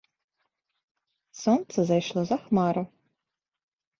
Сонца зайшло за хмару.